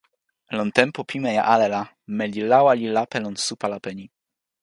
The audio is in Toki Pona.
lon tenpo pimeja ale la, meli lawa li lape lon supa lape ni.